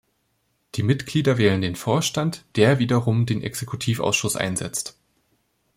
Die Mitglieder wählen den Vorstand, der wiederum den Exekutivausschuss einsetzt.